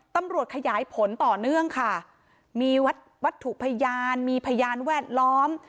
ตำรวจขยายผลต่อเนื่องค่ะมีวัตถุพยานมีพยานแวดล้อม